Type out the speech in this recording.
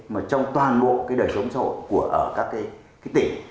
mà trong toàn bộ cái đời sống xã hội của ở các cái tỉnh